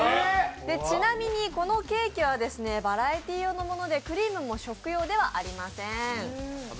ちなみにこのケーキはバラエティー用のものでクリームも食用ではありません。